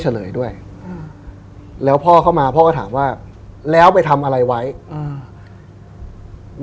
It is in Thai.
เฉลยด้วยอืมแล้วพ่อเข้ามาพ่อก็ถามว่าแล้วไปทำอะไรไว้อืม